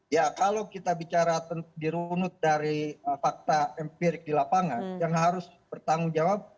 ya kalau kita bicara dirunut dari fakta empirik di lapangan yang harus bertanggung jawab